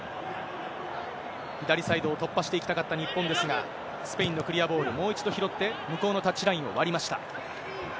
左サイドを突破していきたかった日本ですが、スペインのクリアボール、もう一度拾って、向こうのタッチラインを割りました。